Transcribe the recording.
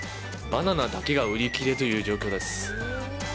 バナナだけが売り切れという状況です。